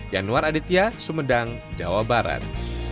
yanuar aditya sumedang jawa barat